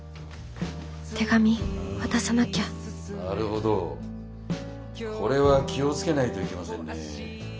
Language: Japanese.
手紙渡さなきゃなるほどこれは気を付けないといけませんね。